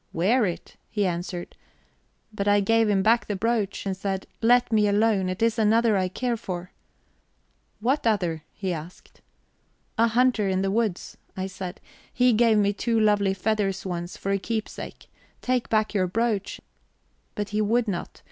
'Wear it,' he answered. But I gave him back the brooch, and said, 'Let me alone it is another I care for.' 'What other?' he asked. 'A hunter in the woods,' I said. 'He gave me two lovely feathers once, for a keepsake. Take back your brooch.' But he would not.